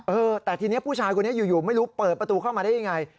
เออแต่ทีนี้ผู้ชายคนนี้อยู่ไม่รู้เปิดประตูเข้ามาได้ยังไง